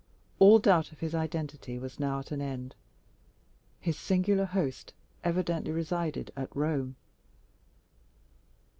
All doubt of his identity was now at an end; his singular host evidently resided at Rome.